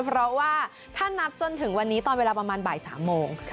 เพราะว่าถ้านับจนถึงวันนี้ตอนเวลาประมาณบ่าย๓โมง